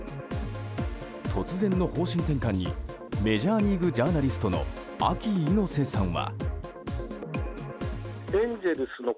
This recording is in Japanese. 突然の方針転換にメジャーリーグジャーナリストのＡＫＩ猪瀬さんは。